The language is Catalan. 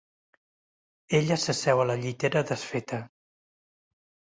Ella s'asseu a la llitera desfeta.